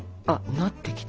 なってきた。